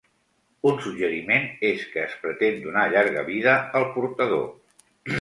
Un suggeriment és que es pretén donar llarga vida al portador.